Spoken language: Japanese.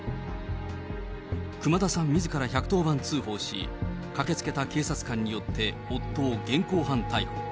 熊田さんみずから１１０番通報し、駆けつけた警察官によって夫を現行犯逮捕。